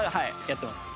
やってます。